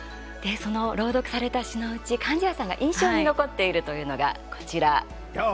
その朗読された詩のうち貫地谷さんが印象に残っているというのが、こちら。